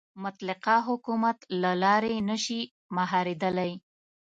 مطلقه حکومت له لارې نه شي مهارېدلی.